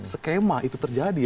skema itu terjadi